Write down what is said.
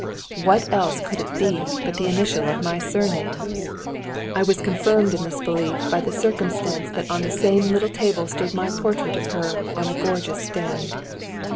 What else could it be but the initial letter of my surname? I was confirmed in this belief by the circumstance that on the same little table stood my portrait of her on a gorgeous stand.